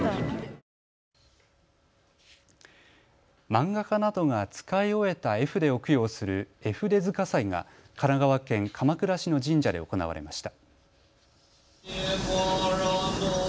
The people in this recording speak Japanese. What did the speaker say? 漫画家などが使い終えた絵筆を供養する絵筆塚祭が神奈川県鎌倉市の神社で行われました。